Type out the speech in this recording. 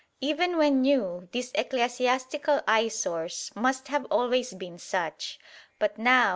Even when new, these ecclesiastical eyesores must have always been such. But now